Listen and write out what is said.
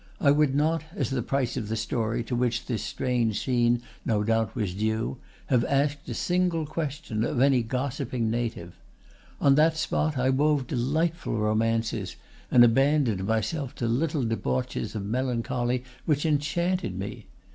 I would not, as the price of the story to which this strange scene no doubt was due, have asked a single question of any gossiping native. On that spot I wove delightful romances, and abandoned myself to little debauches of melancholy which enchanted me.